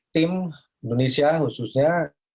tim indonesia khususnya